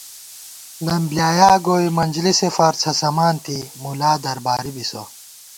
لم بۡلیایا گوئی منجلېسے فار څھسَمانتی مُلا درباری بِسہ